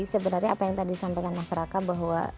sebenarnya apa yang tadi disampaikan masyarakat bahwa